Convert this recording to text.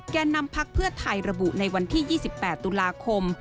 แก่นำพักเพื่อไทยระบุในวันที่๒๘ตุลาคม